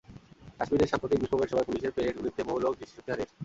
কাশ্মীরে সাম্প্রতিক বিক্ষোভের সময় পুলিশের পেলেট গুলিতে বহু লোক দৃষ্টিশক্তি হারিয়েছেন।